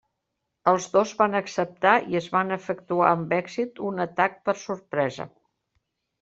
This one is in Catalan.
Els dos van acceptar i es van efectuar amb èxit un atac per sorpresa.